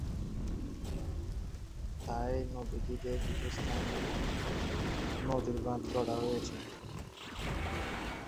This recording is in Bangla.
তাই নদীটিতে কিছু স্থানে নদী বাঁধ গড়া হয়েছে।